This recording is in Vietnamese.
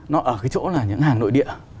nó ở cái chỗ là những hàng nội địa